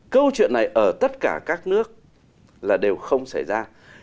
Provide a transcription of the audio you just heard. câu chuyện này ở tất cả các nước là đều không xảy ra